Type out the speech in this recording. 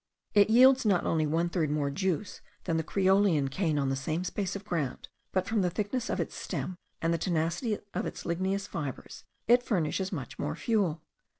It yields not only one third more juice than the creolian cane on the same space of ground; but from the thickness of its stem, and the tenacity of its ligneous fibres, it furnishes much more fuel.